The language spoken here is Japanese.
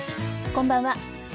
こんばんは。